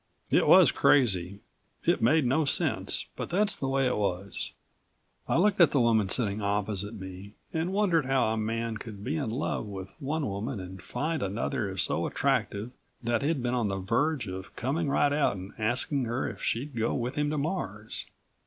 It was crazy, it made no sense, but that's the way it was. I looked at the woman sitting opposite me and wondered how a man could be in love with one woman and find another so attractive that he'd been on the verge of coming right out and asking her if she'd go with him to Mars.